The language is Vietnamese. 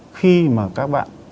khi mà các bạn